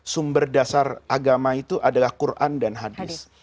sumber dasar agama itu adalah quran dan hadis